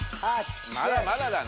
まだまだだな。